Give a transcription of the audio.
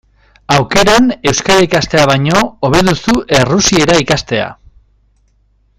Aukeran, euskara ikastea baino, hobe duzu errusiera ikastea.